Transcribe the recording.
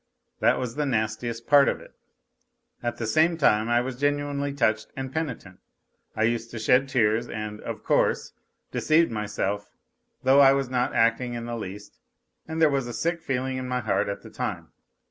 That was the nastiest part of it. At the same time I was genuinely touched and penitent, I used to shed tears and, of course, deceived myself, though I was not acting in the least and there was a sick feeling in my heart at the time.